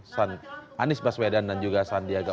calon sanis baswedan dan juga sandiaga